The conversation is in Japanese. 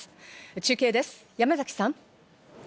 中継です、山崎さん。